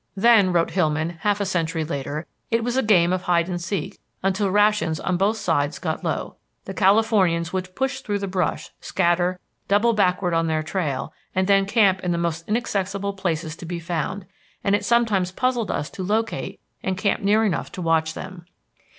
"Then," wrote Hillman half a century later, "it was a game of hide and seek until rations on both sides got low. The Californians would push through the brush, scatter, double backward on their trail, and then camp in the most inaccessible places to be found, and it sometimes puzzled us to locate and camp near enough to watch them."